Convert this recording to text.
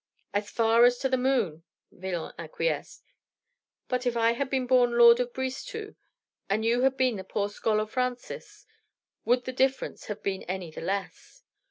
"As far as to the moon," Villon acquiesced. "But if I had been born lord of Brisetout, and you had been the poor scholar Francis, would the difference have been any the less?